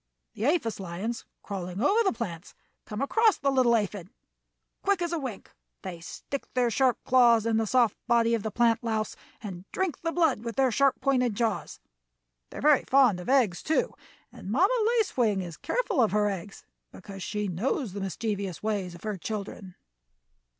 The aphis lions crawling over the plants come across the little aphid. Quick as a wink they stick their sharp claws in the soft body of the plant louse and drink the blood with their sharp pointed jaws. They are very fond of eggs, too, and Mamma Lace Wing is careful of her eggs, because she knows the mischievous ways of her children."